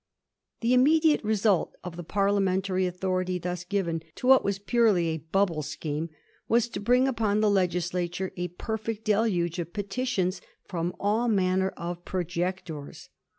The immediate result of the Parliamentary authority thus given to what was purely a bubble scheme, was to bring upon the Legislature a per fect deluge of petitions from all manner of pro jectors.